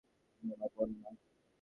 তুই আমার বোন না।